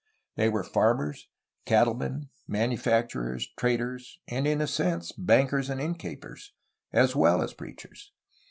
They were farmers, cattlemen, manufacturers, traders, and, in a sense, bankers and inn keepers, as well as preachers.